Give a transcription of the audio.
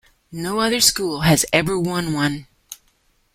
No other school has ever won one.